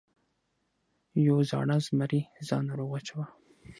یو زاړه زمري ځان ناروغ واچاوه.